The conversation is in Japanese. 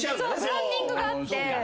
ブランディングがあって。